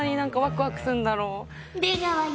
出川よ。